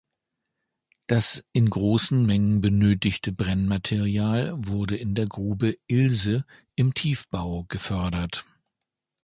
Das in großen Mengen benötigte Brennmaterial wurde in der Grube Ilse im Tiefbau gefördert.